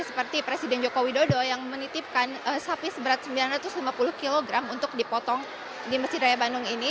seperti presiden joko widodo yang menitipkan sapi seberat sembilan ratus lima puluh kg untuk dipotong di masjid raya bandung ini